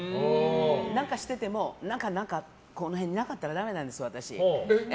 何かしてても、この辺になかったらダメなんですよ。